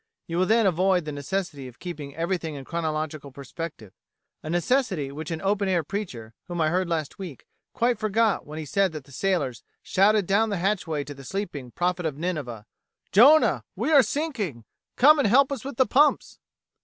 You will then avoid the necessity of keeping everything in chronological perspective a necessity which an open air preacher, whom I heard last week, quite forgot when he said that the sailors shouted down the hatchway to the sleeping Prophet of Nineveh: "Jonah! We're sinking! Come and help us with the pumps!"